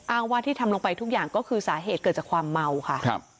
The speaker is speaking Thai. อ้างว่าที่ทำลงไปทุกอย่างก็คือสาเหตุเกิดจากความเมาค่ะครับ